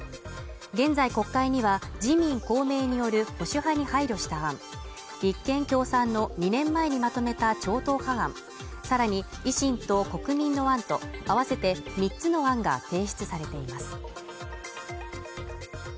現在国会には、自民公明による保守派に配慮した案立憲・共産の２年前にまとめた超党派案さらに、維新と国民の合わせて三つの案が提出されています。